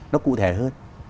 nó cụ thể hơn